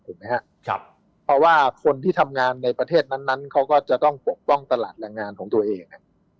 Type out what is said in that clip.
ครับเพราะว่าคนที่ทำงานในประเทศนั้นเขาก็จะต้องปกป้องตลาดแรงงานของตัวเอง